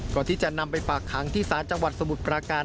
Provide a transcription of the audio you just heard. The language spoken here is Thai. ก่อนที่จะนำไปฝากขังที่ศาลจังหวัดสมุทรปราการ